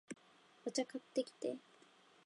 お茶、買ってきて